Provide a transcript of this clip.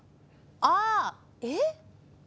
ああ、えっ？